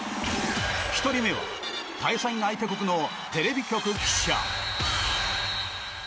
１人目は、対戦相手国のテレビ局記者。